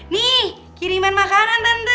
nih kiriman makanan tante